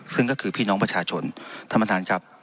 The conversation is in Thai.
ซึ่งก็คือพี่น้องประชาชนธรรมดาลกรรมครับ